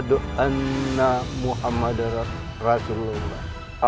jika kamu ibakiran dajjal kami akan mengawal